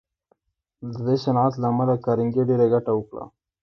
د دې صنعت له امله کارنګي ډېره ګټه وکړه